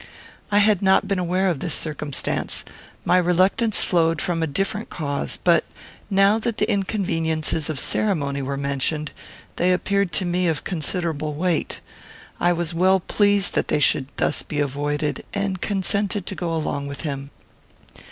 I had not been aware of this circumstance. My reluctance flowed from a different cause, but, now that the inconveniences of ceremony were mentioned, they appeared to me of considerable weight. I was well pleased that they should thus be avoided, and consented to go along with him.